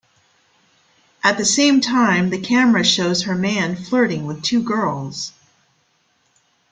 At the same time the camera shows her man flirting with two girls.